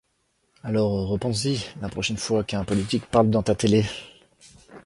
Alors repenses-y la prochaine fois qu’un politique parle dans ta télé.